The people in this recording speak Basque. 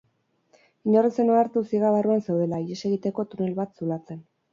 Inor ez zen ohartu ziega barruan zeudela, ihes egiteko tunel bat zulatzen.